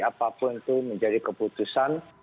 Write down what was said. apapun itu menjadi keputusan